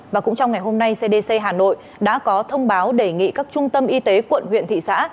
và cũng trong ngày hôm nay cdc hà nội đã có thông báo đề nghị các trung tâm y tế quận huyện thị xã